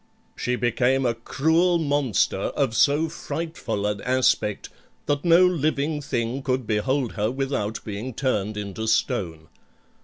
She became a cruel monster of so frightful an aspect that no living thing could behold her without being turned into stone.